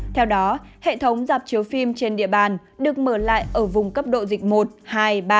theo đó hệ thống dạp chiếu phim trên địa bàn được mở lại ở vùng cấp độ dịch một hai ba